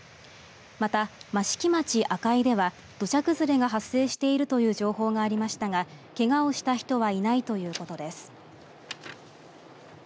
また益城町赤井では土砂崩れが発生しているという情報がありましたがけがをした人はいないということです。